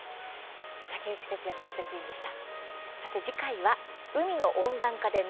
竹内哲哉解説委員でした。